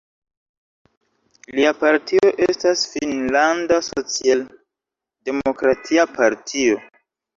Lia partio estas Finnlanda socialdemokratia partio.